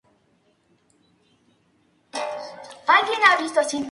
Las mujeres tienen nombres alemanes.